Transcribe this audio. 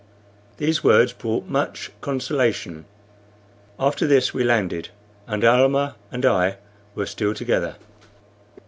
These words brought much consolation. After this we landed, and Almah and I were still together.